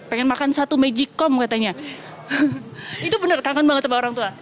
pengen makan satu magic comb katanya itu benar kangen banget sama orang tua